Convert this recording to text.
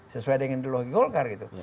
sesuai dengan ideologi golkar gitu